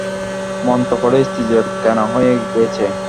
মন্ত্র পড়ে স্ত্রী যে কেনা হয়েই গেছে।